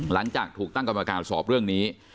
หลังจากถูกตั้งกรรมการสอบเรื่องนี้